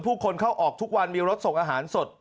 ผู้คนเข้าออกทุกวันมีรถส่งอาหารสด